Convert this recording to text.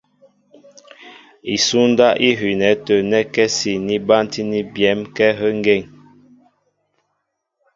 Isúndáp í hʉʉnɛ tə̂ nɛ́kɛ́si ní bántíní byɛ̌m kɛ́ áhə́ ŋgeŋ.